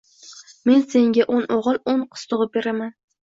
Men senga o‘n o‘g‘il, o‘n qiz tug‘ib beraman!